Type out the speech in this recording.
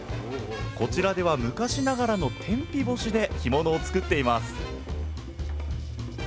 こちらでは昔ながらの天日干しで干物を作っています